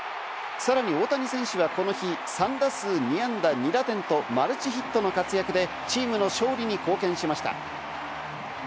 さらに大谷選手はこの日３打数２安打２打点と、マルチヒットの活躍でチームの勝利に貢献しました。